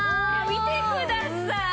見てください。